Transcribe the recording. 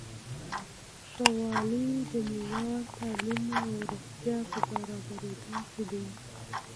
ښه والی د معیاري تعلیم او روغتیا په برابریدو کې دی.